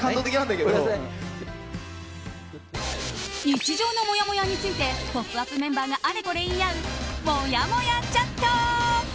日常のもやもやについて「ポップＵＰ！」メンバーがあれこれ言い合うもやもやチャット。